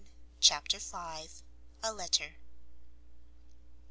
CHAPTER v. A LETTER.